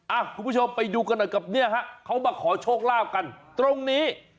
คุณผู้ชมไปดูกันหน่อยกับเนี่ยฮะเขามาขอโชคลาภกันตรงนี้